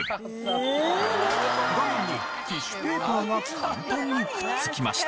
画面にティッシュペーパーが簡単にくっつきました。